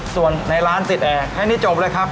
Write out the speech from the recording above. ส่วนในร้านติดแอร์อันนี้จบเลยครับ